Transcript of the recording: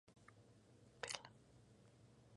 Hacía su recorrido entre av. Roma y la Pl.